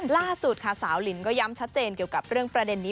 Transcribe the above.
ล่าสุดค่ะสาวลินก็ย้ำชัดเจนเกี่ยวกับเรื่องประเด็นนี้